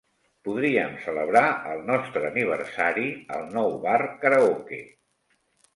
Podríem celebrar el nostre aniversari al nou bar karaoke.